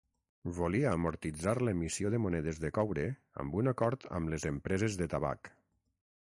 Volia amortitzar l'emissió de monedes de coure amb un acord amb les empreses de tabac.